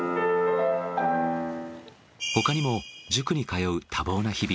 他にも塾に通う多忙な日々。